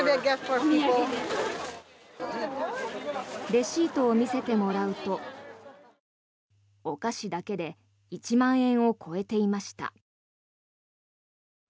レシートを見せてもらうとお菓子だけで１万円を超えていました。